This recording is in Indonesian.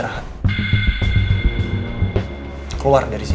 mas ini udah selesai